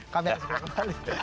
kami harus kembali